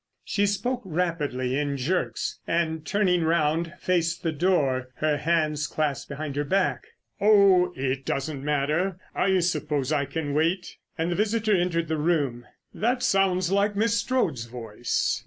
She spoke rapidly in jerks, and turning round faced the door, her hands clasped behind her back. "Oh, it doesn't matter! I suppose I can wait." And the visitor entered the room. "That sounds like Miss Strode's voice."